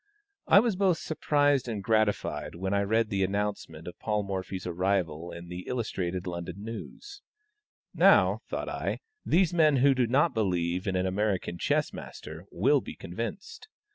I was both surprised and gratified when I read the announcement of Paul Morphy's arrival in the Illustrated London News. Now, thought I, these men who do not believe in an American chess master, will be convinced.